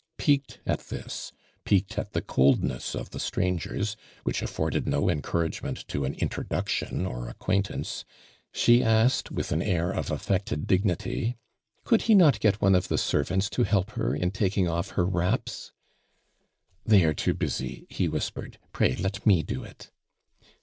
Piqued at this — piqued at the coldness of the strangera, which afforded no encourage jnent to an introduction or acquaintance, nlie asked with an air of affected dignity : '•Could he not get one of the servants to help her in taking off her wraps ?'' "They are too busy," he whispered. "Pray let me do it?"